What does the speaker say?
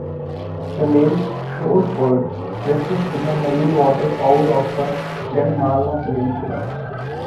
The name "Shorebirds" refers to the marine waterfowl of the Delmarva Peninsula.